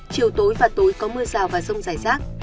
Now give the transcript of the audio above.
chiều tối và tối có mưa rào và rông rải rác